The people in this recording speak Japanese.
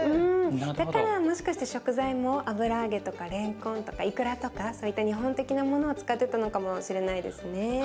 だからもしかして食材も油揚げとかれんこんとかいくらとかそういった日本的なものを使ってたのかもしれないですね。